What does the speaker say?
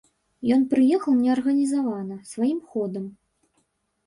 Ён прыехаў неарганізавана, сваім ходам.